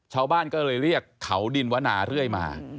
ชาวบ้านก็เลยเรียกเขาดินวนาเรื่อยมา